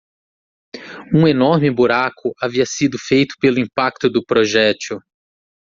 Um enorme buraco havia sido feito pelo impacto do projétil.